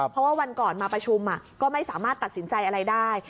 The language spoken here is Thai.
เพราะว่าวันก่อนมาประชุมก็ไม่สามารถตัดสินใจอะไรได้